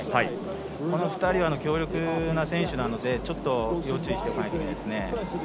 この２人は強力な選手なのでちょっと要注意しないとですね。